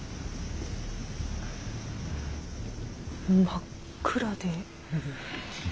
真っ暗で。